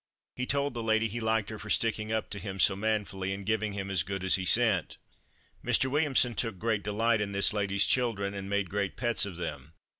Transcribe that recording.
He told the lady he liked her for sticking up to him "so manfully" and "giving him as good as he sent." Mr. Williamson took great delight in this lady's children and made great pets of them.